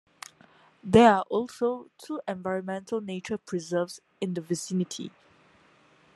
There are also two environmental nature preserves in the vicinity.